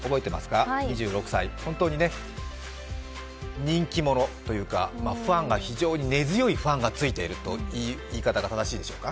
２６歳、本当に人気者というか根強いファンがついているという言い方が正しいでしょうか。